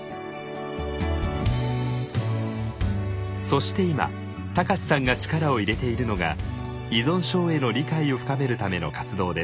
そして今高知さんが力を入れているのが依存症への理解を深めるための活動です。